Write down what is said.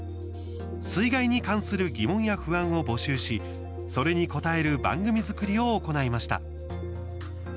水害に関する疑問や不安を募集しそれに応える番組作りを行いました。